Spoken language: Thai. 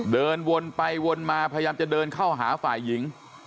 เดินวนไปวนมาพยายามจะเดินเข้าหาฝ่ายหญิง